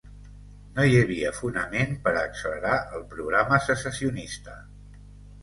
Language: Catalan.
No hi havia fonament per a accelerar el programa secessionista.